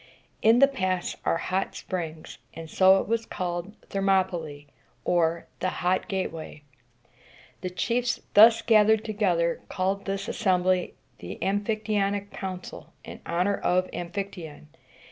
In the pass are hot springs, and so it was called Ther mop´y læ, or the Hot Gateway. The chiefs thus gathered together called this assembly the Am phic ty on´ic Council, in honor of Amphictyon.